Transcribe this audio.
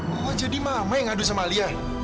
oh jadi mama yang ngadu sama alia